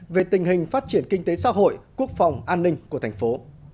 về tình hình phát triển kinh tế xã hội quốc phòng an ninh của thành phố